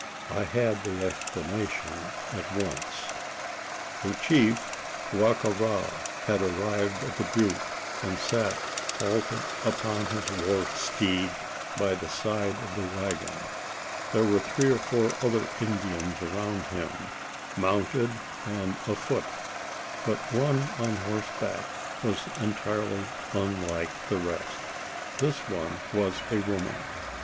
I had the explanation at once. The chief, Wa ka ra, had arrived at the butte; and sat halted upon his war steed by the side of the waggon. There were three or four other Indians around him, mounted and afoot; but one on horseback was entirely unlike the rest. This one was a woman.